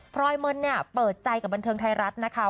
รอยมนต์เนี่ยเปิดใจกับบันเทิงไทยรัฐนะคะ